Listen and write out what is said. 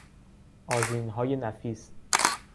آذینهای نفیس